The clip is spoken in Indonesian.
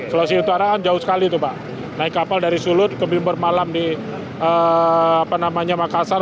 untuk utara jauh sekali tuh pak naik kapal dari sulut ke bimbur malam di makassar